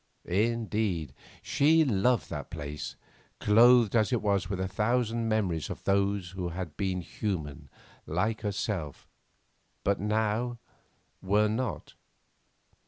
Indeed, she loved the place, clothed as it was with a thousand memories of those who had been human like herself, but now—were not.